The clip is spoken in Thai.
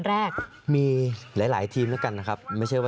สามารถรู้ได้เลยเหรอคะ